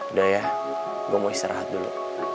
udah ya gue mau istirahat dulu